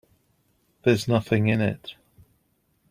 There's nothing in it.